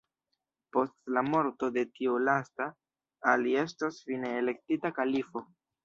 Post la morto de tiu lasta, Ali estos fine elektita kalifo.